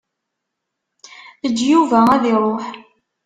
Eǧǧ Yuba ad iṛuḥ.